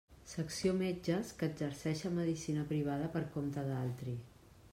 Secció Metges que exerceixen medicina privada per compte d'altri.